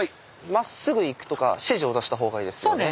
「まっすぐ行く」とか指示を出した方がいいですよね。